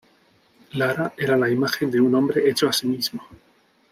Lara era la imagen de un hombre hecho a sí mismo.